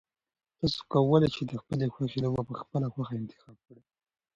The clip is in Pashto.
تاسو کولای شئ چې د خپلې خوښې لوبه په خپله خوښه انتخاب کړئ.